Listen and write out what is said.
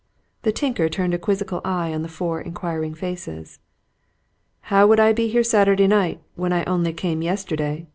The tinker turned a quizzical eye on the four inquiring faces. "How would I be here Saturday night when I only came yesterday?"